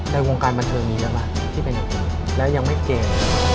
ในวงการบันเทอมนี้แล้วนะที่เป็นแล้วยังไม่เก่ง